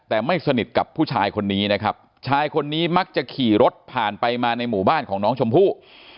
แต่ไม่สนิทกับผู้ชายคนนี้นะครับชายคนนี้มักจะขี่รถผ่านไปมาในหมู่บ้านของน้องชมพู่